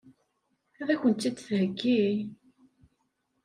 Ad kent-tt-id-theggi?